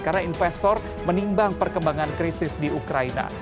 karena investor menimbang perkembangan krisis di ukraina